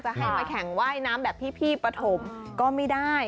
ให้มาแข่งว่ายน้ำแบบพี่ปฐมก็ไม่ได้